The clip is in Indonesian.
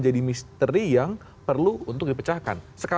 jadi mister yang sekarang coba